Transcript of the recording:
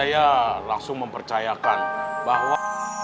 saya langsung mempercayakan bahwa